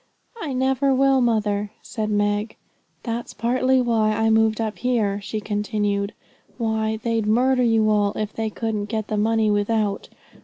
'I never will, mother,' said little Meg. 'That's partly why I moved up here,' she continued. 'Why, they'd murder you all if they couldn't get the money without.